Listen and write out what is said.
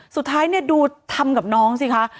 สุดท้ายเนี่ยดูทำกับน้องสิค่ะ